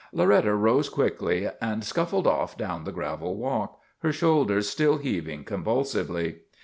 Loretta rose quickly and scuffled off down the gravel walk, her shoulders still heaving convul sively.